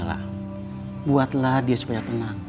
lah buatlah dia supaya tenang